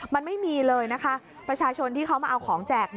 มันไม่มีเลยนะคะประชาชนที่เขามาเอาของแจก